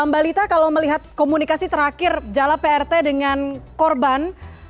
mbak lita kalau melihat komunikasi terakhir jala prt dengan korban